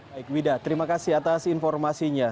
baik wida terima kasih atas informasinya